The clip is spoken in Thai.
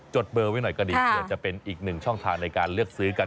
ดเบอร์ไว้หน่อยก็ดีเผื่อจะเป็นอีกหนึ่งช่องทางในการเลือกซื้อกัน